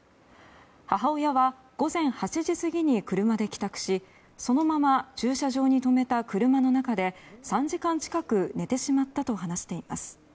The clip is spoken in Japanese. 母親は午前８時過ぎに車で帰宅しそのまま駐車場に止めた車の中で３時間近く寝てしまったと話しています。